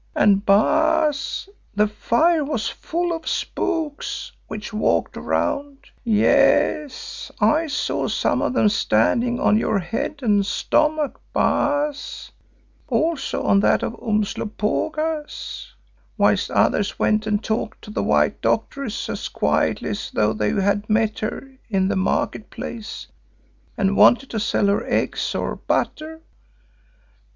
And, Baas, the fire was full of spooks which walked around; yes, I saw some of them standing on your head and stomach, Baas, also on that of Umslopogaas, whilst others went and talked to the white Doctoress as quietly as though they had met her in the market place and wanted to sell her eggs or butter.